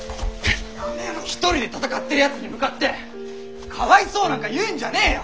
１人で戦ってるやつに向かってかわいそうなんか言うんじゃねえよ！